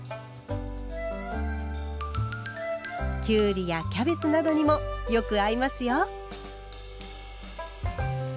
きゅうりやキャベツなどにもよく合いますよ。